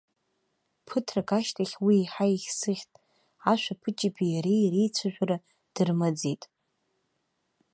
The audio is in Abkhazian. Ԥыҭрак ашьҭахь уи еиҳа еихсыӷьт, ашәаԥыџьаԥи иареи реицәажәара дырмаӡеит.